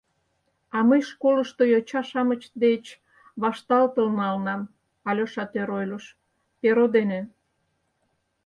— А мый школышто йоча-шамыч деч вашталтыл налынам, — Алёша тӧр ойлыш, — перо дене...